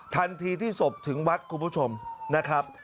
ทันทีที่ศพถึงวัดคุณผู้ชมนะครับ